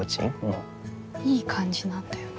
いい感じなんだよね？